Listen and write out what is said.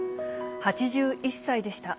８１歳でした。